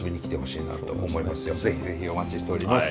是非是非お待ちしております。